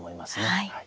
はい。